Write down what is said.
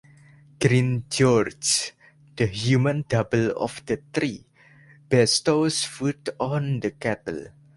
Green George, the human double of the tree, bestows food on the cattle.